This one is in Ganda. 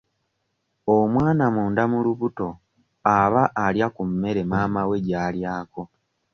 Omwana munda mu lubuto aba alya ku mmere maama we gy'alyako.